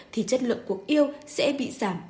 thì chất lượng của yêu sẽ bị giảm